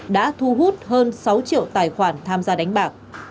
đã thu hút hơn sáu triệu tài khoản tham gia đánh bạc